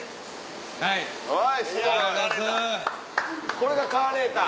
これがカーレーター。